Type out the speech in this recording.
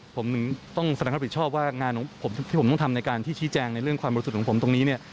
ผมถึงต้องแสดงความผิดชอบว่างานของผมที่ผมต้องทำในการที่ชี้แจงในเรื่องความบริสุทธิ์ของผมตรงนี้เนี่ย